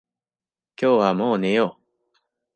今日はもう寝よう。